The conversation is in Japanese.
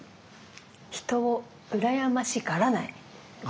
「人をうらやましがらない」。